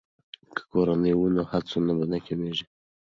که کورنۍ وي نو هڅونه نه کمیږي.